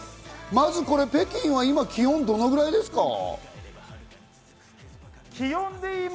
まずこれ北京は気温は今、どのくらいですか？